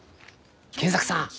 賢作さん